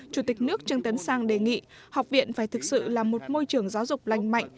chủ tịch nước trương tấn sang đề nghị học viện phải thực sự là một môi trường giáo dục lành mạnh